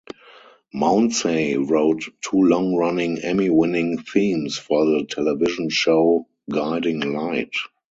Mounsey wrote two long-running Emmy-winning themes for the television show "Guiding Light".